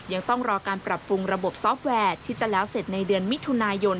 ยังต้องรอการปรับปรุงระบบซอฟต์แวร์ที่จะแล้วเสร็จในเดือนมิถุนายน